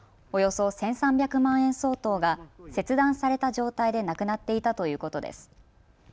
およそ１３００万円相当が切断された状態で無くなっていたということです。